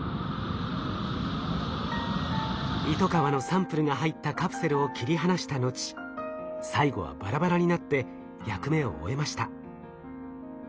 イトカワのサンプルが入ったカプセルを切り離した後最後はバラバラになって役目を終えました。